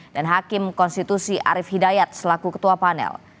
dan hakim konstitusi arief hidayat selaku ketua panel